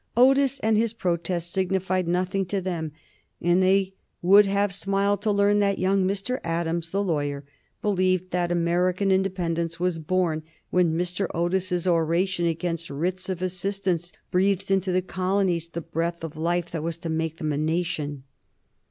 Otis and his protest signified nothing to them, and they would have smiled to learn that young Mr. Adams, the lawyer, believed that American independence was born when Mr. Otis's oration against Writs of Assistance breathed into the colonies the breath of life that was to make them a nation.